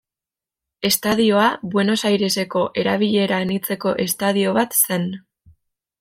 Estadioa Buenos Aireseko erabilera anitzeko estadio bat zen.